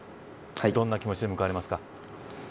どんな気持ちで向かわれますか。